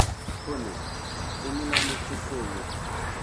Bone, en la necesejo.